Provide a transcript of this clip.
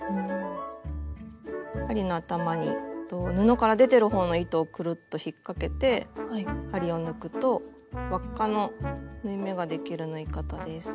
針の頭に布から出てるほうの糸をくるっと引っ掛けて針を抜くと輪っかの縫い目ができる縫い方です。